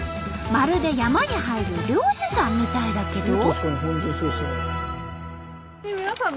まるで山に入る猟師さんみたいだけど。